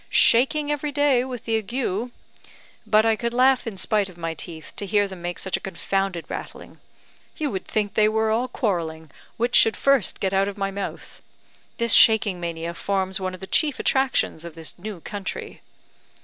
"Shaking every day with the ague. But I could laugh in spite of my teeth to hear them make such a confounded rattling; you would think they were all quarrelling which should first get out of my mouth. This shaking mania forms one of the chief attractions of this new country."